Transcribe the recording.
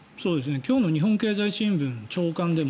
今日の日本経済新聞の朝刊でも。